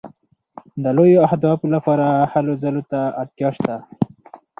د لویو اهدافو لپاره هلو ځلو ته اړتیا شته.